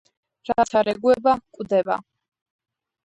რაც არ ეგუება – კვდება.